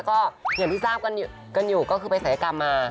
ก็อย่างที่ทราบกันอยู่ก็คือไปศัยกรรมมา